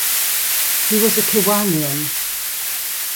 He was a Kiwanian.